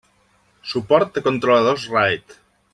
Suport de controladors RAID.